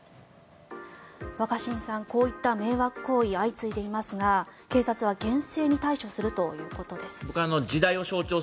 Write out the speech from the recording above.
若新さんこういった迷惑行為相次いでいますが、警察は厳正に対処するということです。